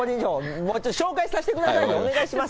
もうちょっと紹介させてください、お願いします。